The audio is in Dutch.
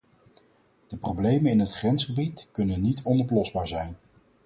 De problemen in het grensgebied kunnen niet onoplosbaar zijn.